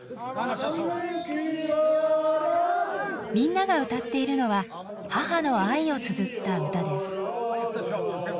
みんなが歌っているのは母の愛をつづった歌です。